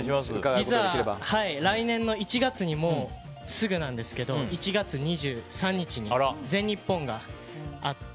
実は来年の１月にもうすぐなんですけど１月２３日に、全日本があって。